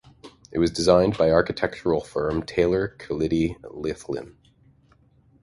It was designed by architectural firm Taylor Cullity Lethlean.